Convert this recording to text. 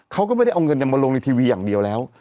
เขาก็ไม่ได้เอาเงินมาลงในทีวีอย่างเดียวแล้ว